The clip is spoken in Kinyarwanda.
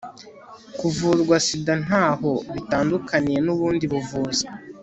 kuvurwa sida ntaho bitandukaniye n'ubundi buvuzi